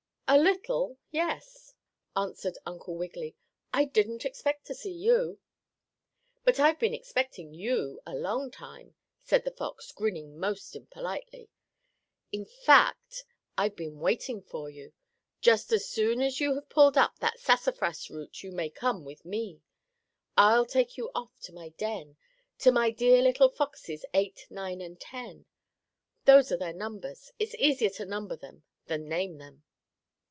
"A little yes," answered Uncle Wiggily. "I didn't expect to see you." "But I've been expecting you a long time," said the fox, grinning most impolitely. "In fact, I've been waiting for you. Just as soon as you have pulled up that sassafras root you may come with me. I'll take you off to my den, to my dear little foxes Eight, Nine and Ten. Those are their numbers. It's easier to number them than name them."